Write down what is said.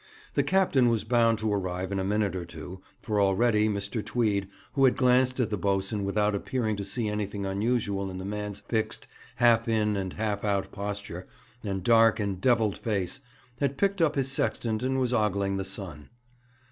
The captain was bound to arrive in a minute or two, for already Mr. Tweed, who had glanced at the boatswain without appearing to see anything unusual in the man's fixed, half in and half out posture, and dark, endevilled face, had picked up his sextant, and was ogling the sun.